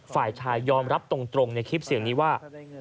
ฝ่ายชายยอมรับตรงในคลิปเสียงนี้ว่า